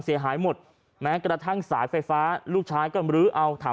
เสียหายหมดแม้กระทั่งสายไฟฟ้าลูกชายก็มรื้อเอาถาม